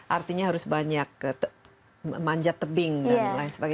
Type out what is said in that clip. artinya harus banyak manjat tebing dan lain sebagainya